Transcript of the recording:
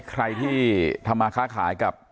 ใครที่ทำมาค้าขายกับ